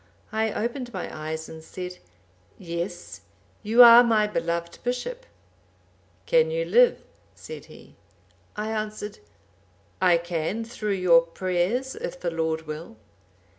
I opened my eyes and said, 'Yes; you are my beloved bishop.'—'Can you live?' said he. I answered, 'I can, through your prayers, if the Lord will.